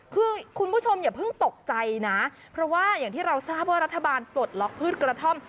คือคุณผู้ชมอย่าเพิ่งตกใจนะเพราะว่าอย่างที่เราทราบว่ารัฐบาลปลดล็อกพืชกระท่อม